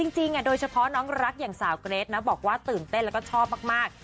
โดยเฉพาะน้องรักอย่างสาวเกรทนะบอกว่าตื่นเต้นแล้วก็ชอบมาก